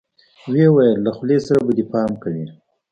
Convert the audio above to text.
ويې ويل له خولې سره به دې پام کوې.